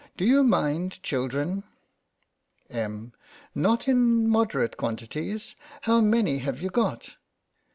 Do you mind children ? Em.: Not in moderate quantities. How many have you got?